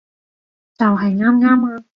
就喺啱啱啊